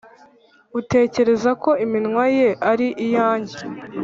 utekereza ko iminwa ye ari iyanjye